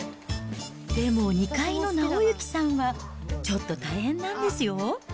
でも２階の直行さんはちょっと大変なんですよ。